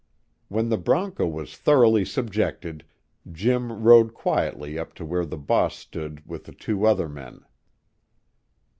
When the bronco was thoroughly subjected, Jim rode quietly up to where the boss stood with the two other men.